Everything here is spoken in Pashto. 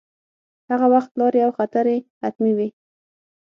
هغه وخت لارې او خطرې حتمې وې.